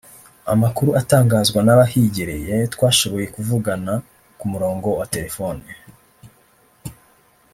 Amakuru atangazwa n’abahigereye twashoboye kuvugana ku murongo wa telefone